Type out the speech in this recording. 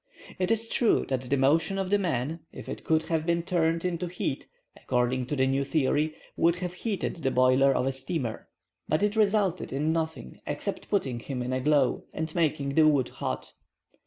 It is true that the motion of the man, if it could have been turned into heat, according to the new theory, would have heated the boiler of a steamer. But it resulted in nothing except putting him in a glow, and making the wood hot.